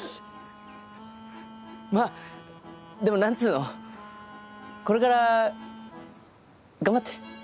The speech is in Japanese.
まぁでも何つうのこれから頑張って。